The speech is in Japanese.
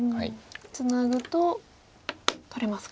ツナぐと取れますか。